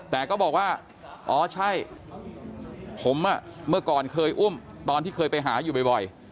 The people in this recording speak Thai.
แต่ก็บอกว่าอ๋อใช่ผมเมื่อก่อนเคยอุ้มตอนที่เคยไปหาอยู่บ่อย